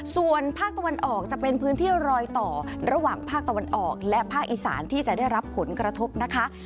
ส่วนภาคตะวันออกจะเป็นพื้นที่รอยต่อระหว่างภาคตะวันออกและภาคอีสานที่จะได้รับผลกระทบนะคะ